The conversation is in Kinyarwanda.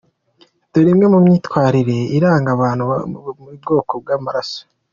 Dore imwe mu myitwarire iranga abantu muri buri bwoko bw’amaraso.